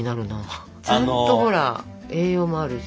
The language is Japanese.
ちゃんとほら栄養もあるし。